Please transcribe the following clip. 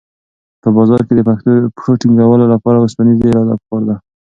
په بازار کې د پښو ټینګولو لپاره اوسپنیزه اراده پکار ده.